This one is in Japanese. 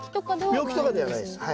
病気とかではないですはい。